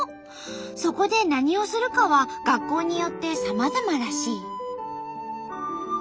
そこで何をするかは学校によってさまざまらしい。